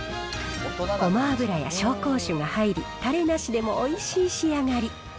ごま油や紹興酒が入り、たれなしでもおいしい仕上がり。